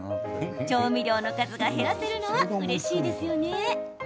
調味料の数が減らせるのはうれしいですよね。